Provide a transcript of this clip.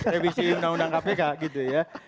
revisi menolak kpk gitu ya